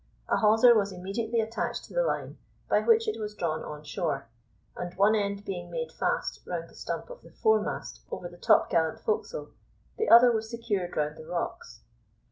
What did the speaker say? A hawser was immediately attached to the line, by which it was drawn on shore, and one end being made fast round the stump of the foremast over the topgallant forecastle, the other was secured round the rocks.